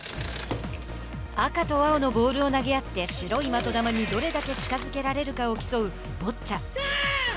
赤と青のボールを投げ合って白い的球にどれだけ近づけられるかを競うボッチャ。